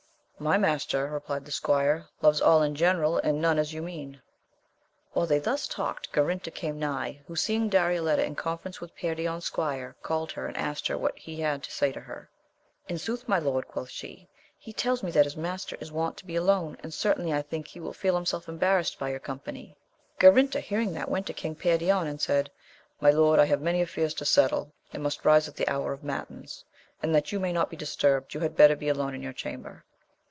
My master, replied the squire, loves all in general, and none as you mean. While they thus talked Garinter came nigh, who seeing Darioleta in conference with Perion's squire, called her and asked what he had to say to her. In sooth my lord, quoth she, he tells me that his master is wont to be alone, and certainly I think he will feel himself embarrassed by your com pany. Garinter hearing that went to King Perion and said, my lord, I have many affairs to settle, and must rise at the hour of matins, and that you may not be disturbed, you had better be alone in your cham ber.